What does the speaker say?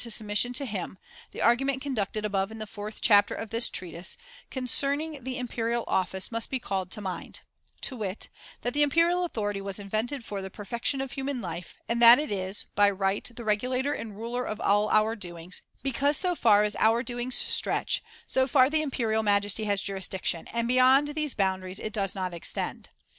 ^ submission to him, the argument conducted IX. THE FOURTH TREATISE 269 above in the fourth chapter of this treatise, con Limits of cerning the imperial office, must be called to authority mind ; to wit, that the imperial authority was invented for the perfection of human life, and that it is [lo] by right the regulator and ruler of all our doings, because, so far as our doings stretch, so far the imperial majesty has jurisdic tion, and beyond these boundaries it does not extend.